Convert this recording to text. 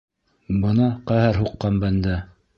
Бына ҡәһәр һуҡҡан бәндә!